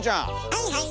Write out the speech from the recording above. はいはい。